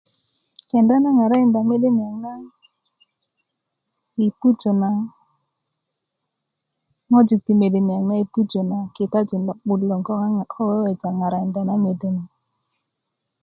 kenda na ŋarakinda mede niyaŋ na yi pujö na ŋwajik ti mede niyaŋ yi pujö na kitajin lo'but loŋ ko weweja' ŋarakinda na mede na